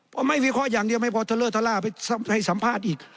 เพราะไม่วิเคราะห์อย่างเดียวไม่พอทะเลอร์ทะล่าไปให้สัมภาษณ์อีก